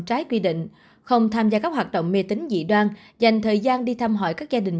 trái quy định không tham gia các hoạt động mê tính dị đoan dành thời gian đi thăm hỏi các gia đình